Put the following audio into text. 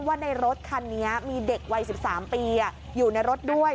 ว่าในรถคันนี้มีเด็กวัย๑๓ปีอยู่ในรถด้วย